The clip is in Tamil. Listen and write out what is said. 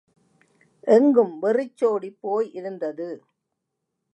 எங்கும் வெறிச்சோடிப் போயிருந்தது.